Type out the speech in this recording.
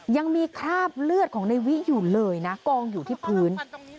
ยังมีคราบเลือดของในวิอยู่เลยนะกองอยู่ที่พื้น